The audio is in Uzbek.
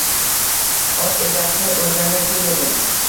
Ot egasi o‘lgandan keyin edi.